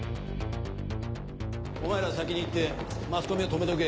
お前らは先に行ってマスコミを止めておけ。